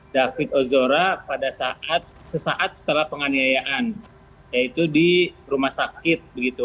david ozora pada saat sesaat setelah penganiayaan yaitu di rumah sakit begitu